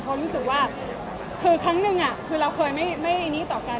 เพราะรู้สึกว่าคือครั้งหนึ่งคือเราเคยไม่นี้ต่อกัน